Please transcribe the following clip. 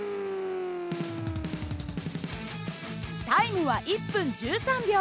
タイムは１分１３秒。